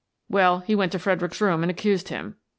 Well, he went to Fredericks's room and accused him.